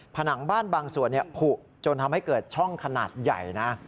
ผนังบ้านบางส่วนผูจนทำให้เกิดช่องขนาดใหญ่นะ